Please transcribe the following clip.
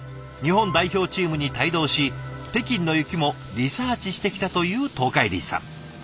日本代表チームに帯同し北京の雪もリサーチしてきたという東海林さん。